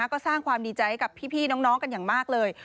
ก็สร้างความดีใจให้กับพี่น้องกันอย่างมากเลย